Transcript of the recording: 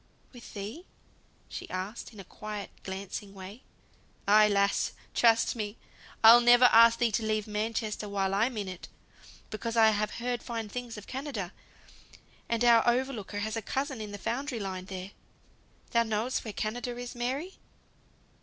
"With thee?" she asked, in a quiet, glancing way. "Ay, lass! Trust me, I'll ne'er ask thee to leave Manchester while I'm in it. Because I've heard fine things of Canada; and our overlooker has a cousin in the foundry line there. Thou knowest where Canada is, Mary?"